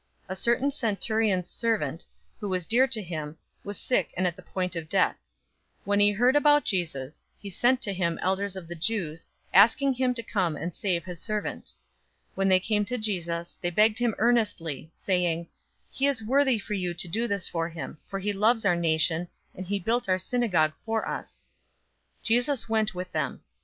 007:002 A certain centurion's servant, who was dear to him, was sick and at the point of death. 007:003 When he heard about Jesus, he sent to him elders of the Jews, asking him to come and save his servant. 007:004 When they came to Jesus, they begged him earnestly, saying, "He is worthy for you to do this for him, 007:005 for he loves our nation, and he built our synagogue for us." 007:006 Jesus went with them.